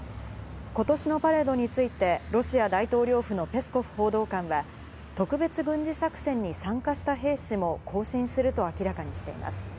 今年のパレードについてロシア大統領府のペスコフ報道官は特別軍事作戦に参加した兵士も行進すると明らかにしています。